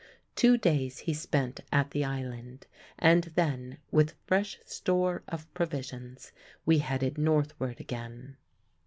Two days he spent at the island, and then, with fresh store of provisions, we headed northward again.